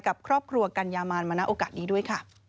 กับครอบครัวกัญญามานมาณโอกาสนี้ด้วยค่ะ